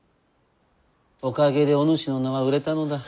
おかげでお主の名は売れたのだ。